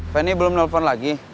feni belum nelfon lagi